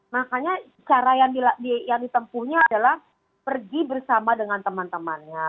makanya cara yang ditempuhnya adalah pergi bersama dengan teman temannya